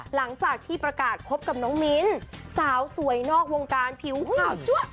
หลังจากที่ประกาศคบกับน้องมิ้นสาวสวยนอกวงการผิวห่าวจั๊ว